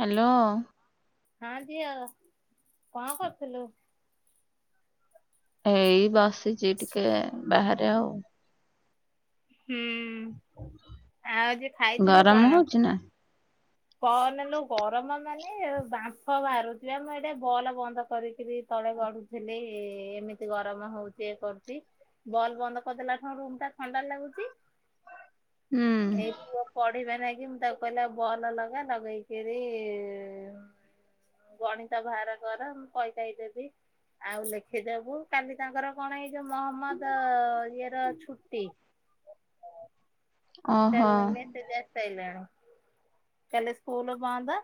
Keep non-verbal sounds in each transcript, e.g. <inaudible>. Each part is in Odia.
ହ୍ୟାଲୋ। ହଁ ଝିଅ କଁ କରୁଥିଲୁ? ଏଇ ବସିଛି ଟିକେ ବାହାରେ ଆଉ। ହୁଁ ଆଉ ଆଜି ଖାଇଥିଲୁ ଗରମ କଣ? ହଉଛି ନା? କହନା ଲୋ ଗରମ ମାନେ ବାମ୍ଫ ବାହାରୁଚି <unintelligible> ବଲ ବନ୍ଦ କରିକିରି ତଳେ ଗଡୁଥିଲି। ଏ ଏମିତି ଗରମ ହଉଛି ଏ କରୁଛି ବଲ ବନ୍ଦ କରିଦେଲାଠୁ ରୁମଟା ଥଣ୍ଡା ଲାଗୁଚି। ହୁଁ। ପୁଅ ପଢ଼ିବା ନାଗି ମୁଁ ତାକୁ କହିଲା ବଲ ଲଗା ଲଗେଇକିରି ଗଣିତ ବାହାର କର ମୁଁ କହିକାଇଦେବି। ଆଉ ଲେଖିଦବୁ, କାଲି ତାଙ୍କର କଣ ଏଇ ଯୋଉ ମହମ୍ମଦ ଇଏର ଛୁଟି। ସେ ଓହୋ ମ - ମେସେଜ ଆସି ସାଇଲାଣି କାଲି ସ୍କୁଲ ବନ୍ଦ।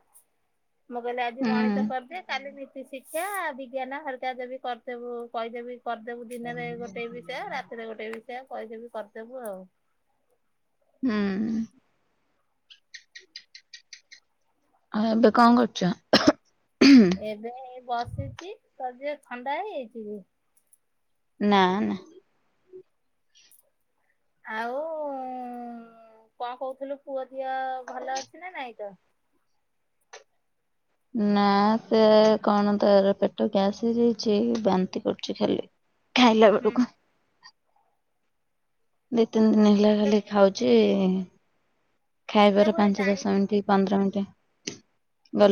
ମୁଁ କହିଲି ଆଜି ହୁଁ ଗଣିତ କରିଦେ କାଲି ଶିକ୍ଷା ବିଜ୍ଞାନ ହାଲକା ଦେବି କରିଦେବୁ କହିଦେବି। କରିଦେବୁ ଦିନରେ ଗୋଟେ ବିଷୟ ରାତିରେ ଗୋଟେ ବିଷୟ କହିଦେବି କରିଦେବୁ ଆଉ। ହୁଁ। ଆଉ ଏବେ କଣ କରୁଛ? ଏବେ ବସିଛି, ତତେ ଝିଅ ଥଣ୍ଡା ହେଇଯାଇଛି କି? ନା, ନା,। ଆଉ କଣ କହୁଥିଲୁ ପୁଅ ଝିଅ ଭଲ ଅଛି ନା ନାଇଁ ତ ନା ସେ କଣ ତାର ପେଟ ଗ୍ୟାସ ହେଇଯାଇଛି ବାନ୍ତି କରୁଛି ଖାଲି। ଖାଇଲା ହୁଁ। ବେଳକୁ ଦି ତିନି ଦିନ ହେଲା ଖାଲି ଖାଉଛି ତାକୁ ଖାଇବାର ଏ ପାଞ୍ଚ ଡାଇ ଦଶ ମିନିଟ୍ ପନ୍ଦର ମିନିଟି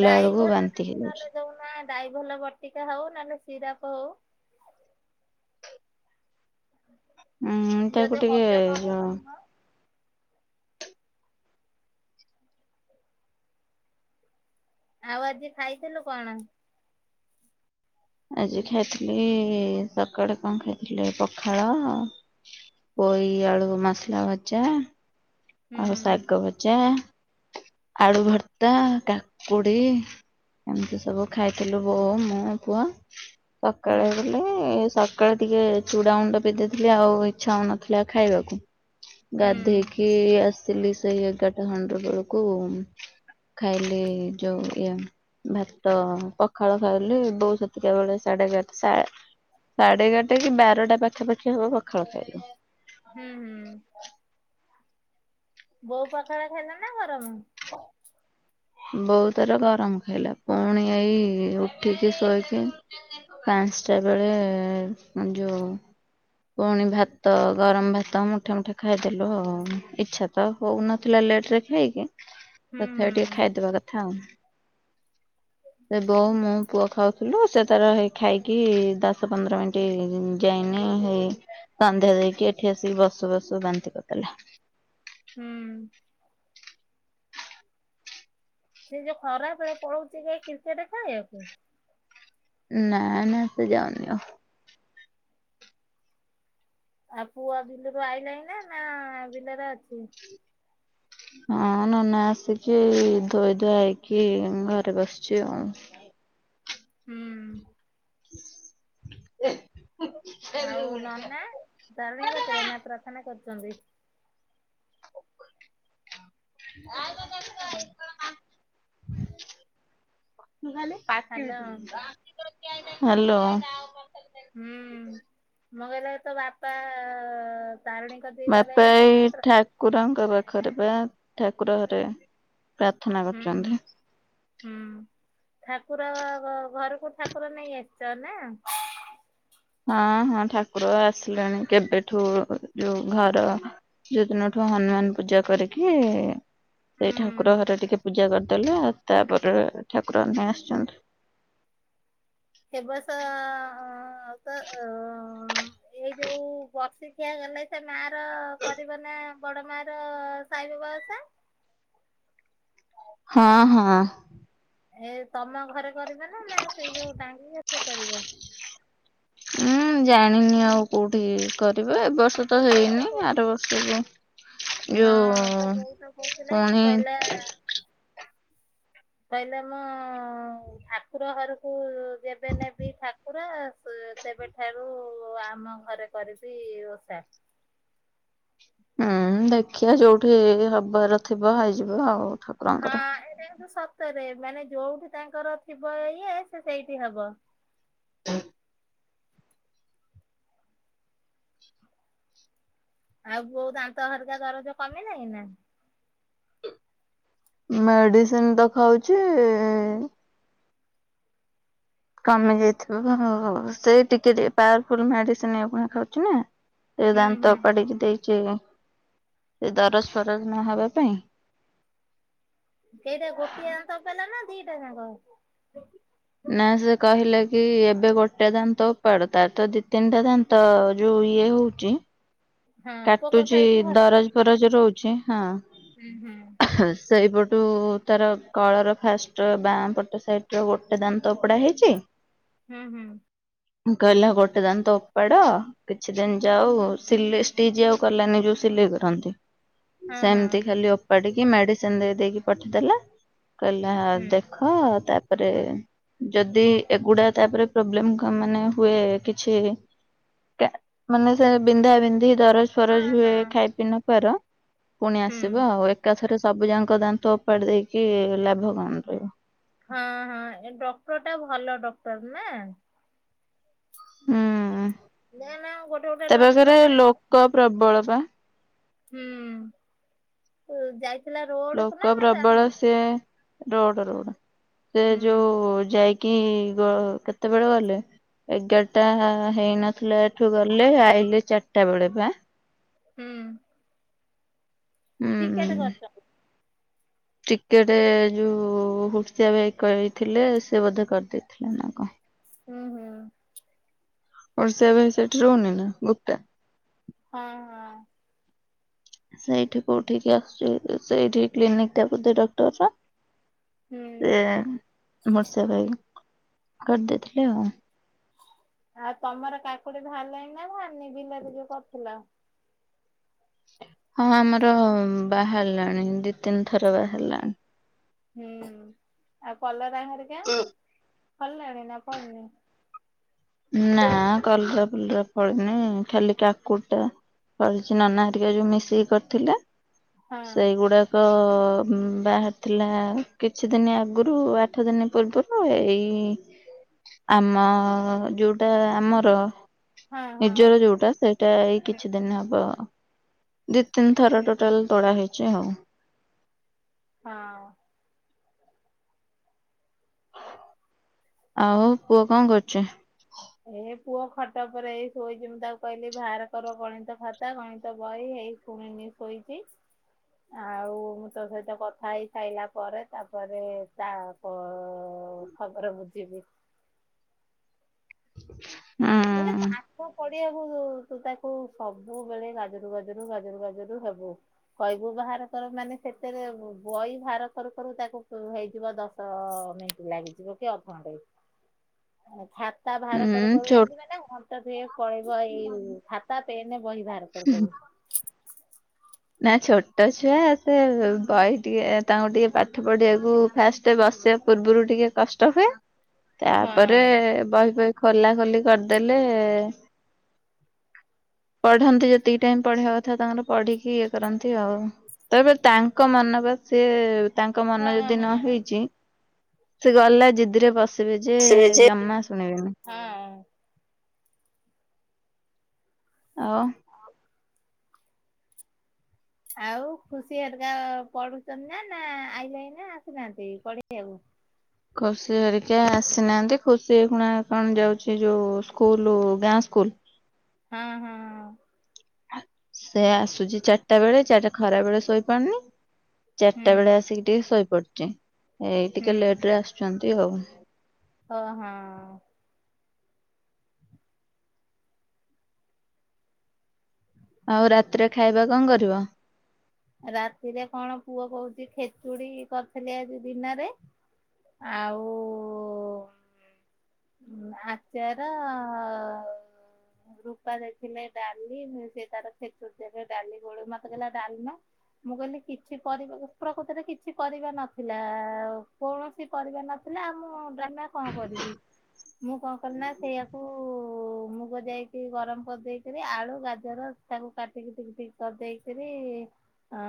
ଡ଼ାଇଭଲ୍ ନହେଲେ ଦଉନା ଡ଼ାଇଭଲ ବଟିକା ହଉ ନ ହେଲେ ସିରାପ ହଉ। ଉଁ ତାକୁ ଯଦି ଟିକେ ହଜମ ଯୋଉ ହଉନଥିବ। ଆଉ ଆଜି ଖାଇଥିଲୁ କଣ? ଆଜି ଖାଇଥିଲି ସକାଳେ କଣ ଖାଇଥିଲି ପଖାଳ ପୋଇ ଆଳୁ ମସଲା ଭଜା ହୁଁ ଆଉ ଶାଗ ଭଜା ଆଳୁ ଭର୍ତ୍ତା, କାକୁଡ଼ି। ଏମିତି ସବୁ ଖାଇଥିଲୁ ବୋଉ, ମୁଁ, ପୁଅ ହୁଁ ସକାଳେ ବୋଲି ସକାଳେ ଟିକେ ଚୁଡ଼ା ଗୁଣ୍ଡ ପି ଦେଇଥିଲି ଆଉ ଇଚ୍ଛା ହଉନଥିଲା ଖାଇବାକୁ। ହୁଁ ଗାଧେଇକି ଆସିଲି ସେଇ ଏଗାରଟା ଖଣ୍ଡେ ବେଳକୁ। ଖାଇଲି ଯଉ ଇଏ ଭାତ ପଖାଳ ଖାଇଲି ବୋଉ ସେତିକେ ବେଳେ ସାଢ଼େ ଏଗାରଟା ସାଢ଼େ ସାଢ଼େ ଏଗାରଟା କି ବାରଟା ପାଖାପାଖି ହବ ପଖାଳ ଖାଇଲୁ। ହୁଁ, ହୁଁ। ବୋଉ ପାଖାଳ ଖାଇଲେ ନା ଗରମ? ବୋଉ ତାର ଗରମ ଖାଇଲା ପୁଣି ଏଇ ଉଠିକି ଶୋଇକି ପାଞ୍ଚଟା ବେଳେ ଯୋଉ ପୁଣି ଭାତ ଗରମ ଭାତ ମୁଠା- ମୁଠା ଖାଇଦେଲୁ ଆଉ ଇଛା ଭୋକ ହଉନଥିଲା ଲେଟ୍ ରେ ଖାଇକି ହୁଁ ତଥାବି ଟିକେ ଖାଇଦବା କଥା ଆଉ। ହୁଁ। ସେ ବୋଉ, ମୁଁ, ପୁଅ ଖାଉଥିଲୁ ସେ ତାର ଖାଇକି ଦଶ ପନ୍ଦର ମିନିଟ୍ ଯାଇନି ହେଇ ସନ୍ଧ୍ୟା ଦେଇକି ଏଠି ଆସିକି ବସୁ - ବସୁ ବାନ୍ତି କରିଦେଲା। ହୁଁ। ସେ ଯୋଉ ଖରାପ ବଳେ ପଳଉଛି କେ କ୍ରିକେଟ ଖେଳିବାକୁ ନା ନା ସେ ଯାଉନି ଆଉ। ଆଉ ପୁଅ ବିଲରୁ ଆଇଲାଣିି ନା ନା ବିଲରେ ଅଛି। ହଁ ନା ନା ଆସିକି ଧୋଇ ଧୁଆ ହେଇକି ଘରେ ବସିଛି ଆଉ। ହୁଁ। ଏ। ଆଉ ନନା ଧରଣୀ କତିରେ ନା ପ୍ରାର୍ଥନା କରୁଛନ୍ତି? <unintelligible> Hello hello. ହୁଁ ମୁଁ କହିଲି ତୋ ବା ପା ତାରିଣୀ କଦି ବାପା କରାଇ ନା ଏଇ ମାତ୍ର। ଠାକୁରଙ୍କ ପାଖରେ ବା ଠାକୁର ଘରେ ପ୍ରାର୍ଥନା ହୁଁ ହୁଁ କରୁଛନ୍ତି। ହୁଁ ଠାକୁର ଘରକୁ ଠାକୁର ନେଇ ଆସିଛ ନା? ହଁ ହଁ ଠାକୁର ଆସିଲେଣି କେବେଠୁ ଯୋଉ ଘର ଯୋଉ ଦିନ ଠୁ ହନୁମାନ ପୂଜା କରିକି ସେଇ ଠାକୁର ଘରେ ଏ ଟିକେ ପୂଜା କରିଦେଲେ ଆଉ ତାପରେ ଠାକୁର ଆସିଛନ୍ତି। ସେ ବର୍ଷ ଅଁ ତ ଅଁ ଏଇ ଯୋଉ ବର୍ଷିକିଆ ଗଲେ ସେ ମାର କରିବ ନା ବଡମାର ସାଇ ବାବା ଓଷା। ହଁ ହଁ। ଏ ତମ ଘରେ କରିବେ ନା ନା ସେଇ ଯୋଉ ଡାଙ୍ଗି କତିରେ କରିବ? ଉଁ ଜାଣିନି ଆଉ କୋଉଠି କରିବେ ଏବର୍ଷ ଷ ତ ହେଇନି ଆର ବର୍ଷକୁ ହଁ ତ ଯୋଉ ବୋଉ ତ କହୁଥିଲେ ପୁଣି କହିଲା କହିଲା ମୋ ଠାକୁର ଘରକୁ ଯେବେ ନେବି ଠାକୁର ସ୍-ସେବେଠାରୁ ଆମ ଘରେ କରିବି ଓଷା। ହୁଁ ଦେଖିଆ ଯୋଉଠି ହବାର ଥିବ ହେଇଯିବ ଆଉ ଠା ହଁ ଏଇଟା କିନ୍ତୁ ସତରେ ମାନେ ଯୋଉଠି ତାଙ୍କର ଥିବ ଇଏ ସେ ସେଇଠି ହବ। ଆଉ ବୋଉ ଦାନ୍ତ ହରିକା ଦରଜ କମିଲାଣି ନା? ମେଡିସିନ ତ ଖାଉଚି କମି ଯାଇଥିବ ହଁ ହୋଉ ହୋଉ ସେଇ ଟିକେ ପାୱାରଫୁଲ୍ ମେଡିସିନ ଆଉ ଫୁଣି ଖାଉଚି ନା। ଏ ହୁଁ ଦାନ୍ତ ହୁଁ। ଓପାଡିକି ଦେଇଚି ଏଇ ଦରଜ ଫରଜ ନହବା ପାଇଁ। ସେଇଟା ଗୋଟିଏ ଦାନ୍ତ ଓପାଡିଲା ନା ଦିଇଟା ଯାଁକ? ନା ସେ କହିଲେ କି ଏବେ ଗୋଟେ ଦାନ୍ତ ଓପାଡ ତାର ତ ଦି ତିନିଟା ଦାନ୍ତ ଯୋଉ ଇଏ ହୋଉଚି ହଁ ପୋକ କାଟୁଚି ଖାଇକି ହ ଦରଜ ଫରଜ ହୁଁ ରହୁଚି ହଁ। ହୁଁ ହୁଁ। ସେଇପଟୁ ତାର କଳର ଫାଷ୍ଟ ବାଁ ପଟ ସାଇଟରେ ଗୋଟେ ଦାନ୍ତ ଓପୋଡା ହେଇଚି ହୁଁ ହୁଁ। କହିଲା ଗୋଟେ ଦାନ୍ତ ଓପାଡ କିଛି ଦିନ ଯାଉ ସିଲେଇ ଟିଚ ଆଉ କଲାନି ଯୋଉ ସିଲେଇ କରନ୍ତି ହଁ ହଁ ସେମତି ଖାଲି ଓ ଓପାଡ଼ିକି ମେଡିସିନ ଦେଇ ଦେଇକି ପଠେଇ ଦେଲା କହିଲେ ହୁଁ ଦେଖ ତାପରେ ଯଦି ଏଗୁଡା ତାପରେ ପ୍ରୋବ୍ଲେମ କ ମାନେ ହୁଏ କିଛି କା ମାନେ ସେ ବିନ୍ଧା ବିନ୍ଧି ଦରଜ ହଁ ଫରଜ ହୁଏ ହଁ ଖାଇ ପିଇ ନପାର ପୁଣି ହୁଁ। ଆସିବ ଆଉ ଏ ଏକାଥରେ ସବୁ ଯାଙ୍କ ଦାନ୍ତ ଓପାଡି ଦେଇକି ଲାଭ କଣ ରହିବ। ହଁ ହଁ ଏ ଡକ୍ଟରଟା ଭଲ ଡକ୍ଟର ନା? ହୁଁ। ନା ନା ଗୋଟେ ଗୋଟେ ତା ପାଖରେ ଡକ୍ଟରମାନେ ଅ ଲୋକ ପ୍ରବଳ ପା। ହୁଁ ତୁ ଯାଇ ଲୋକ ପ୍ରବଳ ସେ ରୋଡ ରୋଡ଼ ସେ ହୁଁ। ଯୋଉ ଯାଇ କି ଗ କେତେବେଳେ ଗଲେ? ଏଗାରଟା ହେଇନଥିଲା ଏଠୁ ଗଲେ ଆଇଲେ ଚାରିଟା ବେଳେ ପା। ହୁଁ। ଟିକେଟେ କରିଚନ୍ତି। ଟିକେଟେ ଯୋଉ ହର୍ସିଆ ଭାଇ କହିଥିଲେ ସେ ବୋଧେ କରି ଦେଇଥିଲେ ନା କଣ। ଉଁହୁଁ। ହୁର୍ସିଆ ଭାଇ ସେଠି ରହୁନି ନା ଗୁ ହଁ ହଁ। ସେଇଠି କୋଉଠିକି ଆସୁଚି ଏ ସେଇଠି କ୍ଲିନିକଟା ବୋଧେ ଡକ୍ଟରର। ହୁଁ ସିଏ ହୁର୍ସିଆ ଭାଇ କରି ଦେଇଥିଲେ ଆଉ‌। ଆଉ ତମର କାକୁଡି ଭାରଲାଣି ନା ଭାରନେଇ ବିଲରେ ଯୋଉ କରଥିଲ? ହଁ ଆମର ବାହାରିଲାଣି ଦି ତିନି ଥର ବାହାରିଲାଣି। ହୁଁ ଆଉ କଲରା ହେରିକା? ଓ <unintelligible> ଫଳିଲାଣି ନା ଫଳିନୀ? ନା କଲରା ଫଲରା ଫଳିନି ଖାଲି କାକୁଡି ଟା ଫଳିଛି ନନା ହେରିକା ଯୋଉ ମିଶିକି କରିଥିଲେ ହଁ ସେଇଗୁଡା ତ ବାହାରିଥିଲା କିଛି ଦିନ ଆଗରୁ ଆଠ ଦିନ ପୂର୍ବ ଏଇ ଆମ ଯୁଟା ଆମର ହଁ ହଁ ନିଜର ଯଉଟା। ଏଟା ଏଇ ହୁଁ କିଛି ଦିନ ହବ ଦି ତିନି ଥର ହୁଁ, ଟୋଟାଲ ତୋଳା ହେଇଛି ଆଉ। ହଁ। ଆଉ ପୁଅ କଣ କରୁଛି? ଏ ପୁଅ ଖଟ ଉପରେ ଏଇ ଶୋଇଛି ମୁଁ ତାକୁ କହିଲି ବାହାର କର ଗଣିତ ଖାତା ଗଣିତ ବହି ଶୁଣୁନି ଶୋଇଛି। ଆଉ ମୁଁ ତୋ ସହିତ କଥା ହେଇ ସାରଲା ପରେ ତାପରେ ତା ଓ ଖବର ବୁଝିବି ଉଁ। ମାନେ ପାଠ ପଡିଆକୁୁ ତୁ ତାକୁ ସବୁବେଳେ ଗାଜୁରୁ ଗାଜୁରୁ ଗାଜୂରୁ ଗାଜୁରୁ ହବୁ। କହିବୁ ବାହାର କର ମାନେ ସେଥିରେ ବହି ବାହାର କରୁ କରୁ ତାକୁ ହେଇଯିବ ଦଶ ତ ମିନଟ ଲାଗିଯିବ କି ଅଧଘଣ୍ଟେ ଖାତା ବାହାର କରୁ ହୁଁ କରୁ ଛୋ ଏମ୍ ମାନେ ଘଣ୍ଟାଟେ ପଳେଇବ ଏଇ ଖାତା ପେନ ବହି ବାହାର କରୁ କରୁ। ନା ଛୋଟ ଛୁଆ ସେ ବହି ଟିକେ ତାଙ୍କୁ ଟିକେ ପାଠ ପଢିବାକୁ ଫାଷ୍ଟ ବସିବା ପୂର୍ବରୁ ଟିକେ କଷ୍ଟ ହୁଏ ତାପରେ ହଁ ବହି ଫହି ଖୋଲା ଖୋଲି କରିଦେଲେ ପଢ଼ନ୍ତି ଯେତିକି ଟାଇମ ପଢିବା କଥା ତାଙ୍କର ପଢିକି କରନ୍ତି ଆଉ ତାପରେ ତାଙ୍କ ମନ ବା ସେ ତାଙ୍କ ହଁ ମନ ଯଦି ନ ହେଇଛି ସେ ଗଲା ଜିଦିରେ ବଶିବେ ଯେ ଜମା ଶୁଣିବେନି। ହଁ। ଆଉ। ଆଉ ଖୁସି ହେରିକା ପଢୁଛନ୍ତି ନା ନା ଆଇଲେନି ନା ଆସିନାହାନ୍ତି ପଢିବାକୁ? ଖୁସି ହେରିକା ଆସିନାହାନ୍ତି ଖୁସି ଏଇଖୁଣା କଣ ଯାଉଛି ଏ ଯୋଉ ସ୍କୁଲ ଗାଁ ସ୍କୁଲ ହଁ ହଁ। ସେ ଆସୁଛି ଚାରିଟା ବେଳେ ଚାରି ଖରା ବେଳେ ଶୋଇପାରୁନି। ହୁଁ ଚାରିଟା ବେଳେ ଆସିକି ଟିକେ ଶୋଇପଡଛି ଏଇ ହୁଁ। ଟିକେ ଲେଟ ରେ ଆସୁଛନ୍ତି ଆଉ। ଓ ହଁ। ଆଉ ରାତିରେ ଖାଇବା କଣ କରିବ? ରାତିରେ କଣ ପୁଅ କହୁଛି ଖେଚୁଡି କରିଥିଲି ଆଜି ଦିନରେ ଆଉ ଆଚାର ରୂପା ଦେଇଥିଲେ ଡାଲି ସେ ତାର ଛେଚୁୁରୀ ଯାଗେ ଡାଲି ଗୋଳ ମତେ କହିଲା ଡାଲମା? ମୁଁ କହିଲି କିଛି ପରିବା ପ୍ରକୃତରେ କିଛି ପରିବା ନଥିଲା ଆ କୋଣସ କିଛି ପରିବା ନଥିଲା ଆଉ ମୁଁ ଡ୍ରାମା କଣ କରିବି? ମୁଁ କଣ କଲି ନା ସେଇଆାକୁ ମୁଗ ଯାଇକି ଗରମ କରିଦେଇକିରି ଆଳୁ ଗାଜର ତାକୁ କାଟିକି ଟିକି ଟିକି କରିଦେଇକରି ଅ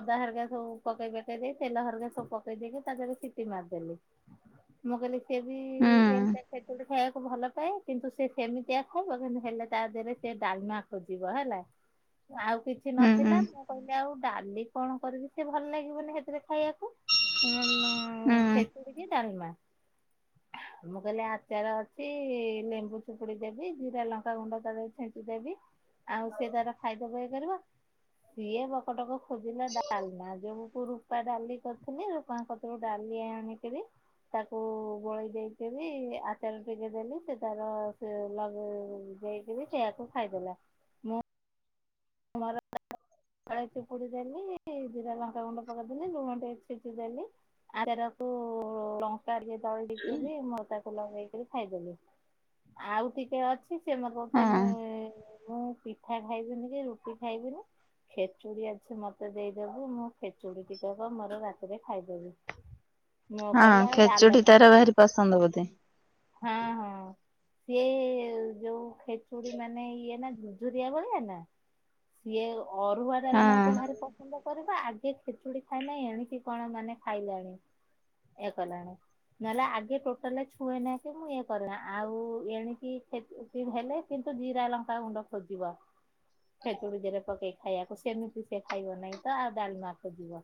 ଅଦା ହରିକା ସବୁ ପକେଇ ପକାଇ ଦେଇ ତେଲ ହରକା ସବୁ ପକେଇ ଦେଇକି ତା ଦେହରେ ସିଟି ମାରିଦେଲି। ମୁଁ କହିଲି ସିଏ ବି ହୁଁ ଏମତି ଖେଚୁଡି ଖାଇବାକୁ ଭଲ ପାଏ। କିନ୍ତୁ ସେ ସେମିତିଆ ଖାଇବ କିନ୍ତୁ ହେଲେ ତା ଦେହରେ ସେ ଡାଲମା ଖୋଜିବ ହେଲା। ଆଉ କିଛି କିଛି ହୁଁ ହୁଁ ନଥିଲା ମୁଁ କହିଲି ଆଉ ଡାଲି କଣ କରିବି ସେ ଭଲ ଲାଗିବନି ହେଥିରେ ଖାଇବାକୁ। ଉଁ ମୁଁ ଖେଚୁଡି କି ଡାଲମା। ମୁଁ କହିଲି ଆଚାର ଅଛି ଲେମ୍ବୁ ଚିପୁଡି ଦେବି ଜିରା ଲଙ୍କା ଗୁଣ୍ଡ ତା ଦେ ଛେଞ୍ଚି ଦେବି। ଆଉ ସେ ତାର ଖାଇଦ ଇଏ କରିବ। ସିଏ ପକଟକ ଖୋଜିଲେ ଡାଲ ନା ଯ ରୂପା ଡାଲି କରିଥିଲି ରୂପା କତରୁ ଡାଲି ଆଣିକରି ତାକୁ ଗୋଳେଇ ଦେଇଦଲି ଆଚଲ ଟିକେ ଦେଲି ସେ ତାର ସେ ଲଗେଇ ଦେଇ ଯ ସେଆକୁ ଖାଇଦେଲା। ମୁଁ <unintelligible> ଆଳଚି ପୁଡ଼ି ଦେଲି ଯିରା ଲଙ୍କା ଗ <unintelligible> <unintelligible> <unintelligible> <unintelligible> <unintelligible> ତଳେ ଟିକେ ବି ମୁଁ ତାକୁ ଲଗେଇକରି ଖାଇଦେଲି। ଆଉ ଟିକେ ଅଛି କିଠ ସେ ହଁ ମୋତେ କଥାଇ ମୁଁ ପିଠା ଖାଇବିନି କି ରୁଟି ଖାଇବିନି। ଖେଚୁଡି ଅଛି ମତେ ଦେଇଦେବୁ ମୁଁ ଖେଚୁଡି ଟିକେ କହ ମୋର ରାତି ରେ ଖାଇଦେବି ମୁଁ ହଁ କହିଲେ ଆଉ ଡା ନ ଖେଚୁଡି ତାର କରି <unintelligible> ହଁ ହଁ ସଏ ଯୋଉ ଖେଚୁଡି ମାନେ ଇଏ ନା ଭଳିଆ ନା ଇଏ ଅରୁଆ ଡାଲ ମା ହଁ। କି ପସନ୍ଦ କରିବା ଆଗେ ଖେଚୁଡି ଖାଇନାହି ଏଣିକି କଣ ମାନେ ଖାଇଲାଣି। ଏ କଲାଣି ନହେଲେ ଆଗେ ଟୋଟାଲ ଛୁଏ ନ କି ମୁଁ ଇ କରରେ ଆଉ ଏଣିକି ହେଲେ କିନ୍ତୁ ଜିରା ଲଙ୍କା ଗୁଣ୍ଡ ଖୋଜିବ। ଖେଚୁଡି ଦେରେ ପକେଇ ଖାଇବାକୁ ସେମିତି ସେ ଖାଇବ ନାହିଁ ତ ଆଉ ଡାଲମା ଖୋଜିବ।